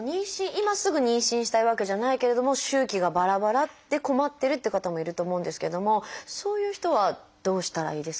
今すぐ妊娠したいわけじゃないけれども周期がばらばらで困ってるって方もいると思うんですけれどもそういう人はどうしたらいいですか？